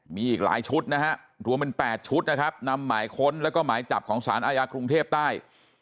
มีอีกหลายชุดนะฮะรวมเป็น๘ชุดนะครับนำหมายค้นแล้วก็หมายจับของสารอาญากรุงเทพใต้